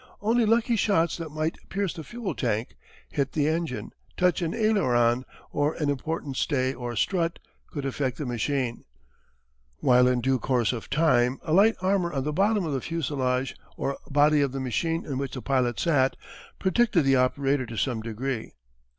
Only lucky shots that might pierce the fuel tank, hit the engine, touch an aileron or an important stay or strut, could affect the machine, while in due course of time a light armour on the bottom of the fusillage or body of the machine in which the pilot sat, protected the operator to some degree.